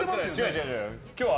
違う、違う。